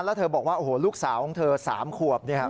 แล้วเธอบอกว่าลูกสาวของเธอ๓ขวบ